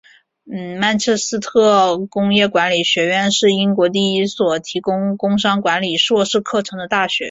曼彻斯特商业管理学院是英国第一所提供工商管理硕士课程的大学。